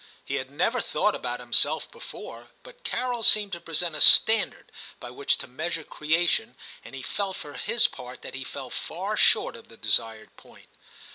He had never thought about himself before, but Carol seemed to present a standard by which to measure creation, and he felt for his part that he fell far short of the desired point.